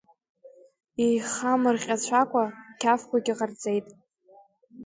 Ихамырҟьацәакәа рқьафқәагьы ҟарҵеит.